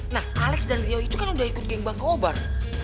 nah alex dan rio itu kan udah ikut geng bangkobar